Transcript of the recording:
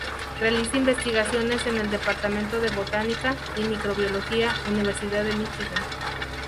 Realiza investigaciones en el "Departamento de Botánica y Microbiología", Universidad de Michigan.